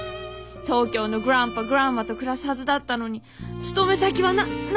東京のグランパグランマと暮らすはずだったのに勤め先はな